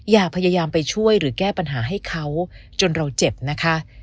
อย่าพยายามไปช่วยหรือแก้ปัญหาให้เขาจนเราเจ็บนะคะ